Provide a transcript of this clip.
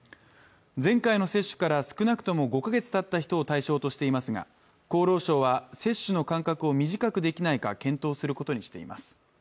前回の接種から少なくとも５か月たった人を対象としていますが厚労省は接種の間隔を短くできないか検討することにしています。